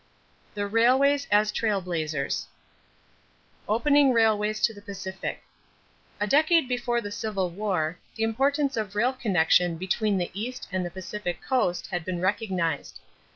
THE RAILWAYS AS TRAIL BLAZERS =Opening Railways to the Pacific.= A decade before the Civil War the importance of rail connection between the East and the Pacific Coast had been recognized.